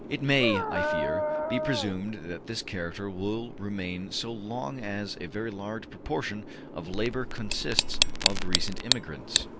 It may, I fear, be presumed that this character will remain so long as a very large proportion of labor consists of recent immigrants.